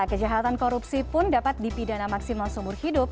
kejahatan korupsi pun dapat dipidana maksimal seumur hidup